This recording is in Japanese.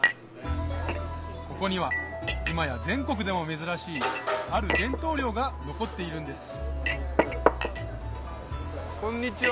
ここには今や全国でも珍しいある伝統漁が残っているんですこんにちは。